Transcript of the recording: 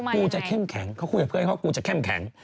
กูจะเข้มแข็งเขาคุยกับเพื่อนเขากูจะเข้มแข็ง